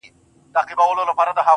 سم داسي ښكاري راته_